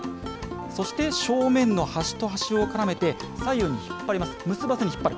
そして正面の端と端を絡めて、左右に引っ張ります、結ばずに引っ張る。